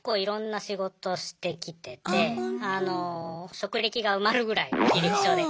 職歴が埋まるぐらい履歴書で。